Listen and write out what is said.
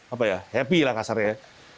apa ya happy lah kasarnya ya